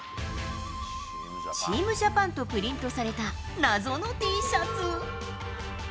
チームジャパンとプリントされた謎のＴシャツ。